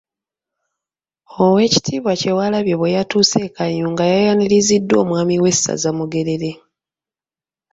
Oweekitiibwa Kyewalabye bwe yatuuse e Kayunga yayaniriziddwa omwami w’essaza Mugerere.